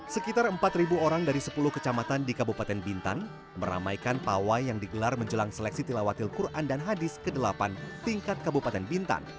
sekitar empat orang dari sepuluh kecamatan di kabupaten bintan meramaikan pawai yang digelar menjelang seleksi tilawatil quran dan hadis ke delapan tingkat kabupaten bintan